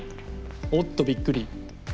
おっとびっくり。